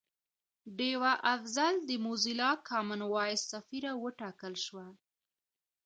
ډیوه افضل د موزیلا کامن وایس سفیره وټاکل شوه